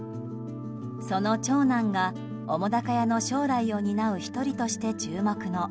その長男が澤瀉屋の将来を担う１人として注目の